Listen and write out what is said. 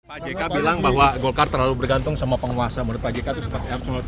pak jk bilang bahwa golkar terlalu bergantung sama penguasa menurut pak jk itu seperti apa